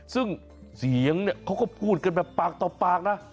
ซึ่งเสียงเนี่ยเขาก็พูดกันแบบปากต่อปากนะ